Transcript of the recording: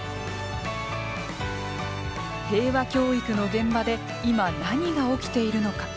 平和教育の現場で今、何が起きているのか。